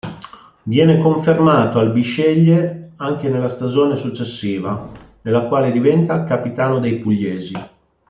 Viene confermato al Bisceglie anche nella stagione successiva, nella quale diventa capitano dei pugliesi.